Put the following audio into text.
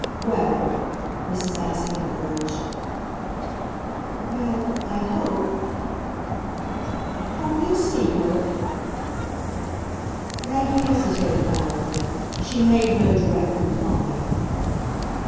"Well ?" Mrs. Assingham urged. "Well, I hope !" "Hope he'll see her?" Maggie hesitated, however; she made no direct reply.